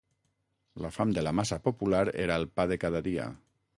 La fam de la massa popular era el pa de cada dia.